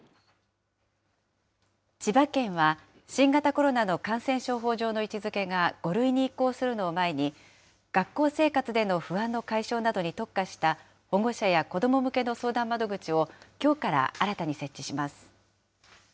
千葉県は、新型コロナの感染症法上の位置づけが５類に移行するのを前に、学校生活での不安の解消などに特化した、保護者や子ども向けの相談窓口をきょうから新たに設置します。